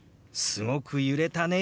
「すごく揺れたね」。